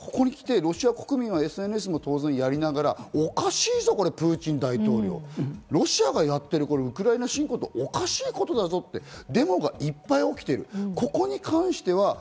ただ、やっぱり今ここにきてロシア国民がＳＮＳも当然やりながら、おかしいぞこれ、プーチン大統領、ロシアがやっているウクライナ侵攻って、おかしいことだぞって、デモがいっぱい起きている。